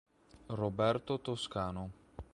Roberto Toscano.